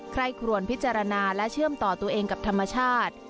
ใครควรพิจารณาและเชื่อมต่อตัวเองกับธรรมชาติ